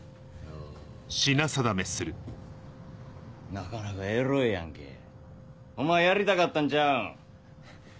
なかなかエロいやんけお前やりたかったんちゃうん？